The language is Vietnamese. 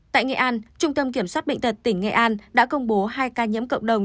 tại nghệ an trung tâm kiểm soát bệnh tật tỉnh nghệ an đã công bố hai ca nhiễm cộng đồng